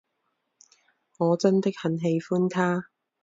我真的很喜欢他。